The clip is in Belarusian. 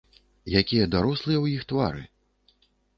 Якія дарослыя ў іх твары!